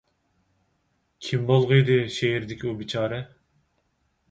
كىم بولغىيدى شېئىردىكى ئۇ بىچارە؟